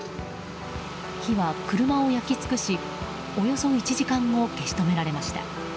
火は車を焼き尽くしおよそ１時間後消し止められました。